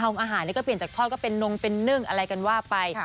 เอาอาหารนี่ก็เปลี่ยนจากทอดก็เป็นนงเป็นนึ่งอะไรกันว่าไป